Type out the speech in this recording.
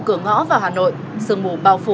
cửa ngõ vào hà nội sương mù bao phủ